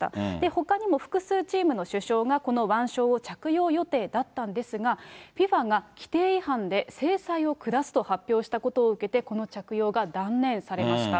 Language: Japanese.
ほかにも複数チームの主将がこの腕章を着用予定だったんですが、ＦＩＦＡが規定違反で制裁を下すと発表したことを受けて、この着用が断念されました。